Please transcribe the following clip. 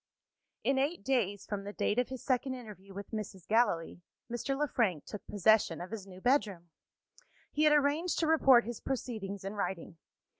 In eight days from the date of his second interview with Mrs. Gallilee, Mr. Le Frank took possession of his new bedroom. He had arranged to report his proceedings in writing.